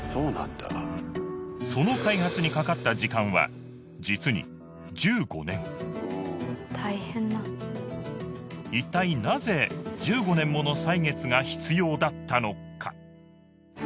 その開発にかかった時間は実に１５年いったいなぜ１５年もの歳月が必要だったのか？